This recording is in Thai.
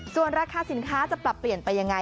ส่วนราคาสินค้าจะปรับเปลี่ยนไปยังไง